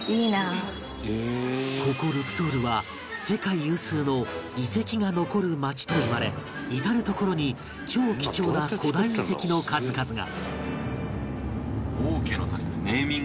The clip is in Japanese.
ここルクソールは世界有数の遺跡が残る街といわれ至る所に超貴重な古代遺跡の数々が